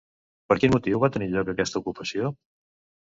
Per quin motiu va tenir lloc aquesta ocupació?